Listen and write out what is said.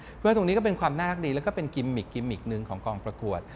เพราะว่าตรงนี้ก็เป็นความน่ารักดีแล้วก็เป็นกิมมิกกิมมิกหนึ่งของกองประกวด